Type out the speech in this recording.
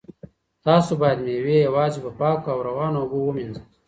تاسو باید مېوې یوازې په پاکو او روانو اوبو ومینځئ.